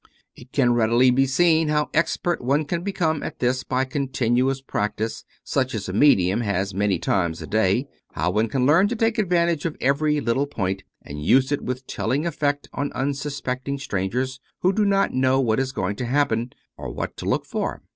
It can readily be seen how expert one can become at this by continuous practice, such as a medium has many times a day ; how one can learn to take advantage of every little point, and use it with telling effect on unsuspecting strangers, who do not know what is going to happen, or what to look for.